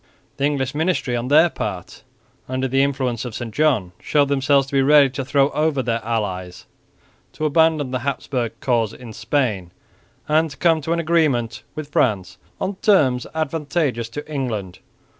The English ministry on their part, under the influence of St John, showed themselves to be ready to throw over their allies, to abandon the Habsburg cause in Spain, and to come to an agreement with France on terms advantageous to England.